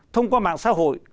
thông qua mạng xã hội